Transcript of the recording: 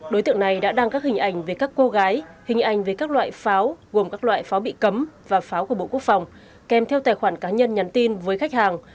đối tượng này đã đăng các hình ảnh về các cô gái hình ảnh về các loại pháo gồm các loại pháo bị cấm và pháo của bộ quốc phòng kèm theo tài khoản cá nhân nhắn tin với khách hàng